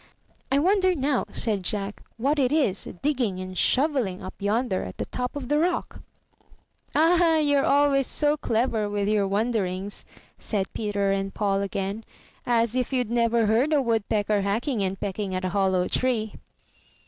''I wonder now," said Jack, "what it is digging and shovelHng up yonder at the top of the rock/' *'Ah, you're always so clever with your wonderings," said Peter and Paul again, '*as if you'd never heard a woodpecker hacking and pecking at a hollow tree."